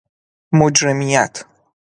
مجرمیت